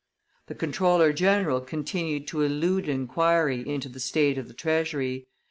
The comptroller general continued to elude inquiry into the state of the treasury.